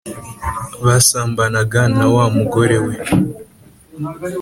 basambanaga nawa mugore we